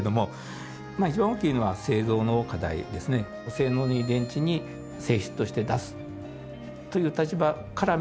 性能のいい電池に製品として出すという立場から見るとこれから。